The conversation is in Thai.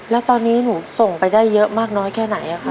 แล้วตอนนี้หนูส่งไปได้เยอะมากน้อยแค่ไหนคะ